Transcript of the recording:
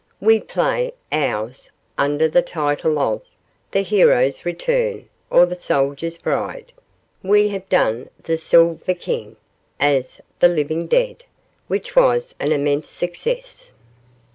We play "Ours" under the title of "The Hero's Return, or the Soldier's Bride": we have done the "Silver King" as "The Living Dead", which was an immense success.